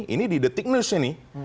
ini di detik news ini